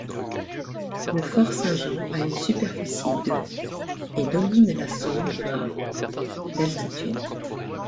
Le fort Saint-Jean a une superficie de et domine la Saône à d'altitude.